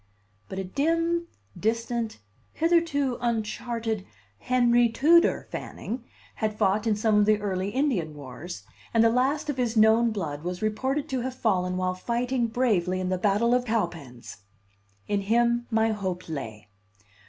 But a dim, distant, hitherto uncharted Henry Tudor Fanning had fought in some of the early Indian wars, and the last of his known blood was reported to have fallen while fighting bravely at the battle of Cowpens. In him my hope lay.